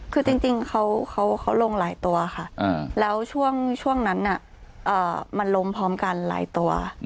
คือจริงเขาลงหลายตัวค่ะแล้วช่วงนั้นมันลงพร้อมกันหลายตัว